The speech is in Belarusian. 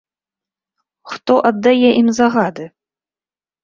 Хто аддае ім загады?